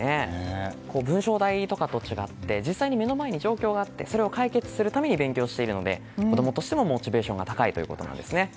文章題とかと違って実際に目の前に状況があってそれを解決するために勉強しているので子供としてもモチベーションが高いということですね。